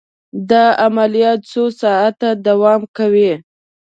دا عملیه څو ساعته دوام کوي.